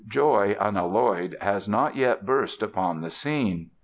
Joy unalloyed has not yet burst upon the scene.